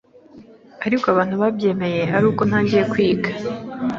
ariko abantu babyemeye ari uko ntangiye kwiga.